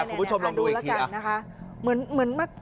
คุณผู้ชมลองดูอีกทีอ่ะดูแล้วจังนะคะเหมือนเหมือนมัก